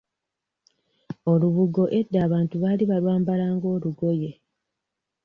Olubugo edda abantu baali balwambala nga olugoye.